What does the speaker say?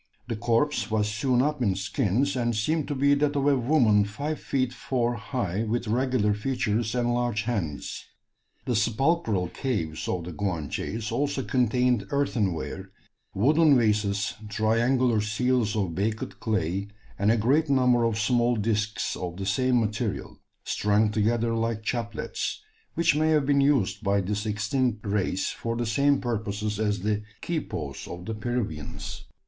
The corpse was sewn up in skins, and seemed to be that of a woman five feet four high, with regular features and large hands. The sepulchral caves of the Guanches also contained earthenware, wooden vases, triangular seals of baked clay, and a great number of small discs of the same material, strung together like chaplets, which may have been used by this extinct race for the same purposes as the "quipos" of the Peruvians.